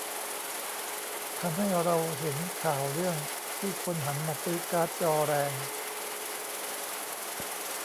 ทำให้เราเห็นข่าวเรื่องที่คนหันมาซื้อการ์ดจอแรง